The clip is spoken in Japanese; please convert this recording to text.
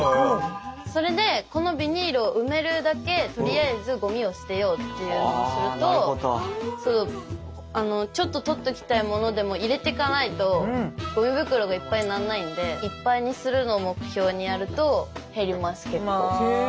それでこのビニールを埋めるだけとりあえずゴミを捨てようっていうのをするとちょっと取っときたいものでも入れていかないとゴミ袋がいっぱいになんないんでいっぱいにするのを目標にやると減りますけど。